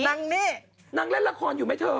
นางนี่นางเล่นละครอยู่ไหมเธอ